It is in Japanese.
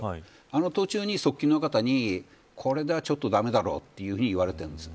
あの途中に側近の方にこれではちょっと駄目だろうと言われてるんです。